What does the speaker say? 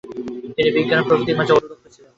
তিনি বিজ্ঞান ও প্রকৃতির প্রতি অণুরক্ত ছিলেন।